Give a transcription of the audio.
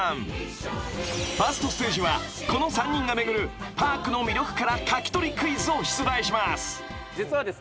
［ファーストステージはこの３人が巡るパークの魅力から書き取りクイズを出題します］